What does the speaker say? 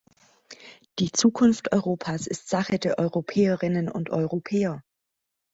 Die Zukunft Europas ist Sache der Europäerinnen und Europäer.